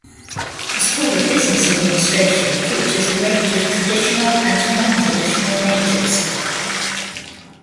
The School of Business Administration features a range of traditional and non-traditional majors.